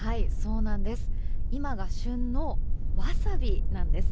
今が旬のわさびなんです。